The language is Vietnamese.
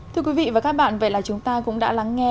thưa quý vị và các bạn vậy là chúng ta cũng đã lắng nghe